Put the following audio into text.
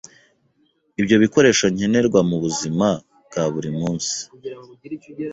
Ibyo bikoresho nkenerwa mu buzima bwa buri munsi